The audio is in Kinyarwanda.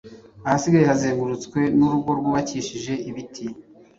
ahasigaye hazengurutswe n’urugo rwubakishije ibiti